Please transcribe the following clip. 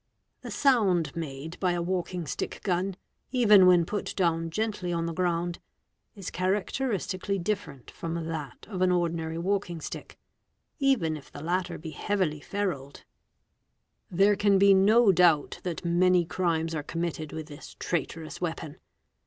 The sound made by a walking stick gun, even when put down gently on the ground, is characteristically different from that of an — ordinary walking stick, even if the latter be heavily ferruled. There can ~ be no doubt that many crimes are committed with this traitorous weapon.